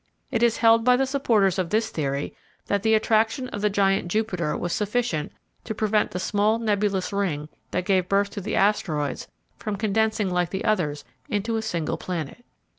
It is held by the supporters of this theory that the attraction of the giant Jupiter was sufficient to prevent the small, nebulous ring that gave birth to the asteroids from condensing like the others into a single planet.